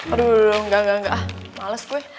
aduh engga engga engga ah males gue